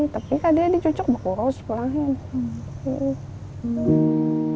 tapi kadang dicucuk berkurus pulangin